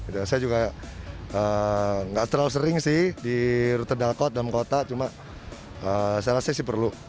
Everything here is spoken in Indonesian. saya juga nggak terlalu sering sih di rute dalkot dalam kota cuma saya rasa sih perlu